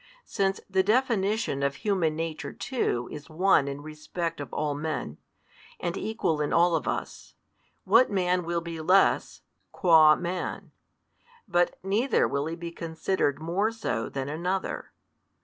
Since the definition of human nature too is one in respect of all men, and equal in all of us, what man will be less, qua man? but neither will he be considered more so than another.